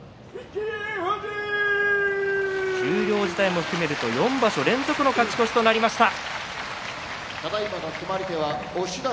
十両時代も含めると４場所連続の勝ち越しとなりました。